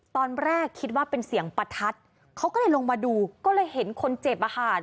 ตอนแรกคิดว่าเป็นเสียงประทัดเขาก็เลยลงมาดูก็เลยเห็นคนเจ็บอะค่ะ